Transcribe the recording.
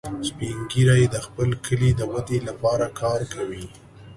سپین ږیری د خپل کلي د ودې لپاره کار کوي